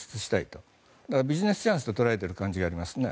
だから、ビジネスチャンスと捉えている感じがありますね。